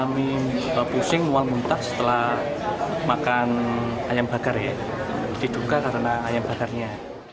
mie pusing mual muntah setelah makan ayam bakar ya diduga karena ayam bakarnya